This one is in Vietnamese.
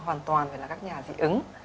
hoàn toàn phải là các nhà dị ứng